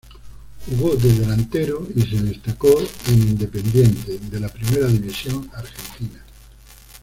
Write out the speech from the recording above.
Jugó de delantero y se destacó en Independiente, de la primera división Argentina.